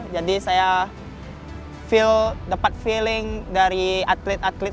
jadi saya dapat feeling dari atlet atlet